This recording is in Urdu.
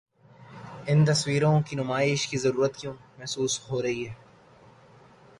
ان تصویروں کی نمائش کی ضرورت کیوں محسوس ہو رہی ہے؟